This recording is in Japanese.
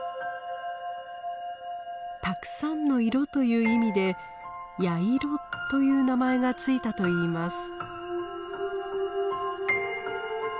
「たくさんの色」という意味で「八色」という名前が付いたといいます。